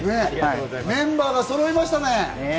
メンバーがそろいましたね。